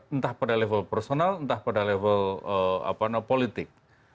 entah pada level personal entah pada level politik